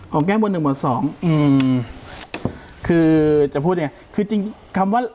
เอาแก้หวดหนึ่งหมวดสองอืมคือจะพูดยังไงคือจริงจริงคำว่า